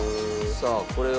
さあこれを。